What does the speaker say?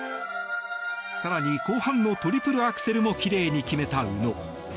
更に後半のトリプルアクセルもきれいに決めた宇野。